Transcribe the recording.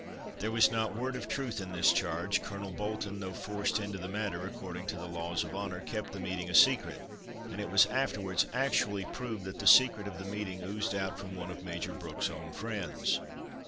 There was not word of truth in this charge, Colonel Bolton, though forced into the matter, according to the laws of honour, kept the meeting a secret, and it was afterwards actually proved that the secret of the meeting oozed out from one of Major Brooks' own friends.